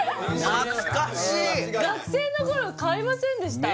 懐かしい学生の頃買いませんでした？